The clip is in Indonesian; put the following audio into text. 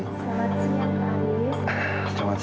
selamat siang pak haris